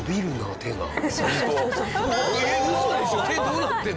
手どうなってるの？